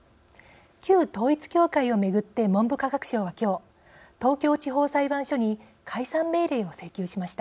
旧統一教会を巡って文部科学省は今日東京地方裁判所に解散命令を請求しました。